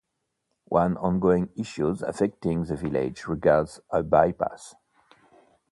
One ongoing issue affecting the village regards a bypass.